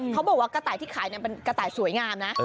เขาบอกว่ากระใต่ที่ขายน่ะเป็นกระใต่สวยงามนะ